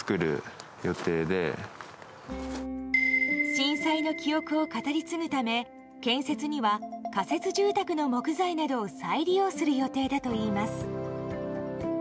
震災の記憶を語り継ぐため建設には仮設住宅の木材などを再利用する予定だといいます。